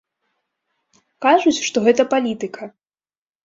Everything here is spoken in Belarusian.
Кажуць, што гэта палітыка.